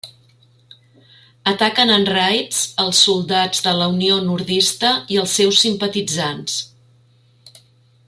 Ataquen en raids els soldats de la Unió nordista i els seus simpatitzants.